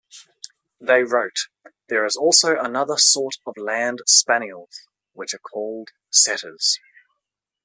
They wrote: There is also another sort of land spannyels which are called Setters.